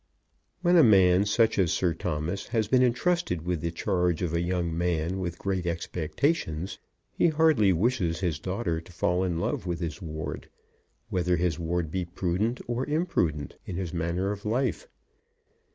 When a man such as Sir Thomas has been entrusted with the charge of a young man with great expectations, he hardly wishes his daughter to fall in love with his ward, whether his ward be prudent or imprudent in his manner of life.